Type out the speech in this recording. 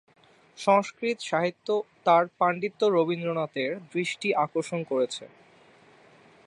সংস্কৃত সাহিত্যে তার পাণ্ডিত্য রবীন্দ্রনাথের দৃষ্টি আকর্ষণ করেছে।